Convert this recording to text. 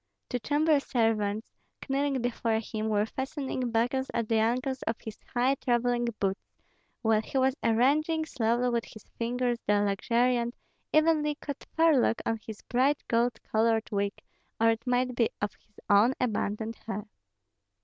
Two chamber servants, kneeling before him, were fastening buckles at the ankles on his high travelling boots, while he was arranging slowly with his fingers the luxuriant, evenly cut forelock of his bright gold colored wig, or it might be of his own abundant hair.